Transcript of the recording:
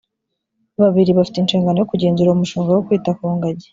babiri bafite inshingano yo kugenzura uwo mushinga wo kwita ku ngagi